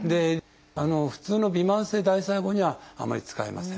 普通のびまん性大細胞にはあまり使いません。